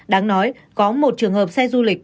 đáng nói có một trường hợp xe du lịch